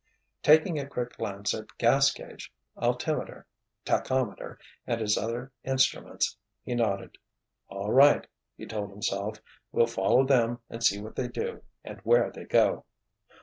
Taking a quick glance at gas gauge, altimeter, tachometer and his other instruments, he nodded. "All right," he told himself. "We'll follow them and see what they do and where they go."